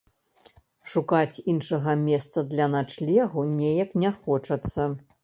Шукаць іншага месца для начлегу неяк не хочацца.